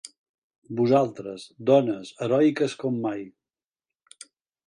Vosaltres, dones, heroiques com mai.